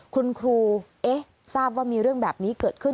คุณครูทราบว่ามีเรื่องแบบนี้เกิดขึ้น